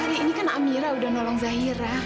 ini kan amira udah nolong zahira